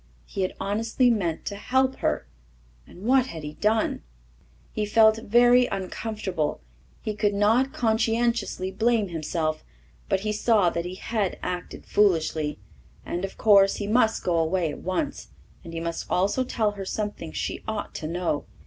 He had honestly meant to help her, and what had he done? He felt very uncomfortable; he could not conscientiously blame himself, but he saw that he had acted foolishly. And of course he must go away at once. And he must also tell her something she ought to know.